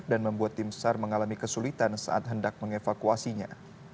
dan membuat tim sar mengalami kesulitan saat hendak mengevakuasinya